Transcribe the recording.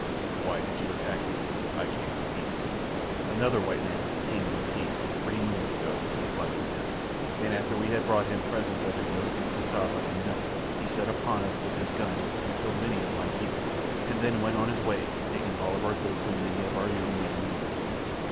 "Why did you attack me? I came in peace." "Another white man 'came in peace' three moons ago," replied Kaviri; "and after we had brought him presents of a goat and cassava and milk, he set upon us with his guns and killed many of my people, and then went on his way, taking all of our goats and many of our young men and women."